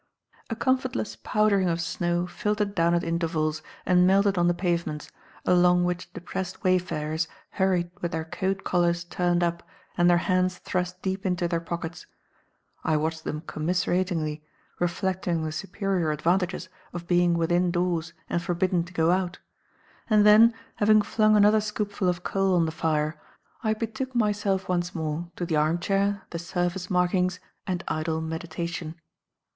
A comfortless powdering of snow filtered down at intervals and melted on the pavements, along which depressed wayfarers hurried with their coat collars turned up and their hands thrust deep into their pockets. I watched them commiseratingly, reflecting on the superior advantages of being within doors and forbidden to go out; and then, having flung another scoopful of coal on the fire, I betook myself once more to the armchair, the Surface Markings and idle meditation.